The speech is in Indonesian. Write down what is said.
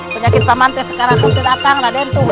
penyakit paman teh sekarang kemudian datang raden tuh